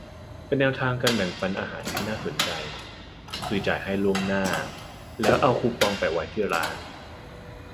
เป็นแนวทางการแบ่งปันอาหารที่น่าสนใจ คือ จ่ายให้ล่วงหน้า แล้วเอาคูปองแปะไว้ที่ร้าน